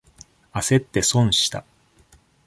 あせって損した。